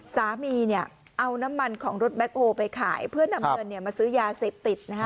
สามีเนี่ยเอาน้ำมันของรถแบคโฮล์ไปขายเพื่อนนำเงินเนี่ยมาซื้อยาเสร็จติดนะฮะ